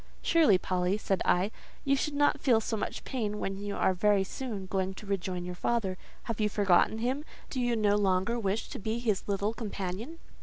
"Surely, Polly," said I, "you should not feel so much pain when you are very soon going to rejoin your father. Have you forgotten him? Do you no longer wish to be his little companion?"